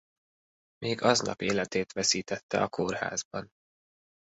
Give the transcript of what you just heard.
Még aznap életét veszítette a kórházban.